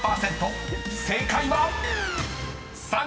［正解は⁉］